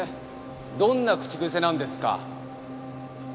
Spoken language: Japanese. どんな口癖なんですか？